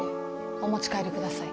お持ち帰りください。